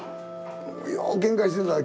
ようけんかしてたわ。